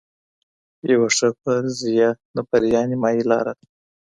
یوه ښه فرضیه د بریا نیمايي لار ده.